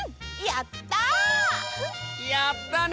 やったね！